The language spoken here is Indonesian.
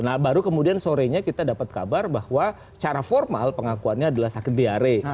nah baru kemudian sorenya kita dapat kabar bahwa cara formal pengakuannya adalah sakit diare